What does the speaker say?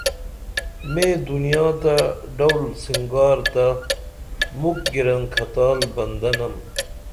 میں دنیا تہ ڈول سنگار تہ مُکھ گِرنکھتال بندہ نم